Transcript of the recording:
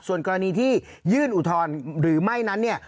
ส่วนกรณีที่ยื่นอุทธรณ์หรือไม่นั้นเนี่ย